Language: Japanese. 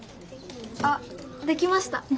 あっできました。